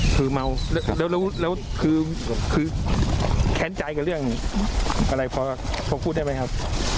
คือเมาแล้วคือแค้นใจกับเรื่องอะไรพอพูดได้ไหมครับ